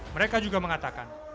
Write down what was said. mereka juga mengatakan